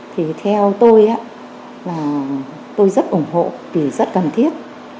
thì theo tôi là tôi rất ủng hộ vì rất cần thiết